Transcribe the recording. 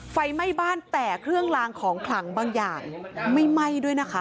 ไฟไหม้บ้านแต่เครื่องลางของขลังบางอย่างไม่ไหม้ด้วยนะคะ